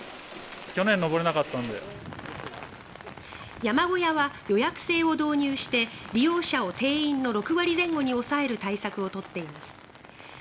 山小屋は予約制を導入して利用者を定員の６割前後に抑える対策を取っています。